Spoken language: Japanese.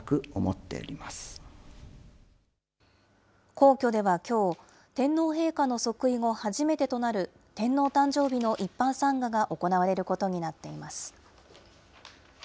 皇居ではきょう、天皇陛下の即位後、初めてとなる天皇誕生日の一般参賀が行われることになっています。